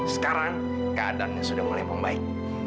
sekarang keadaannya sudah mulai membaik